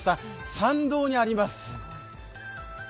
参道にあります。